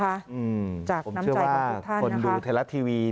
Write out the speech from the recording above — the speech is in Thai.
จากน้ำใจของทุกท่านนะคะอืมผมเชื่อว่าคนดูไทยรัตน์ทีวี